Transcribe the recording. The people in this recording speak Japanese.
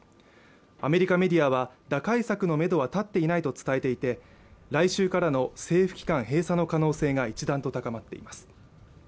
アメリカメディアは打開策のめどは立っていないと伝えていて来週からの政府機関閉鎖の可能性が一段と高まっています